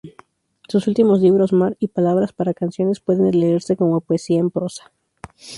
Sus últimos libros, "Mar" y "Palabras para canciones" pueden leerse como poesía en prosa.